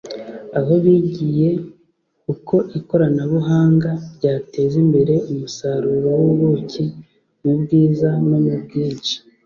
aho bigiye uko ikoranabuhanga ryateza imbere umusaruro w’ubuki mu bwiza no mu bwinshi